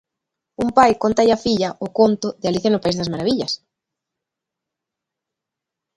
Un pai cóntalle á filla o conto de Alicia no país das marabillas.